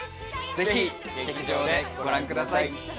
是非劇場でご覧ください。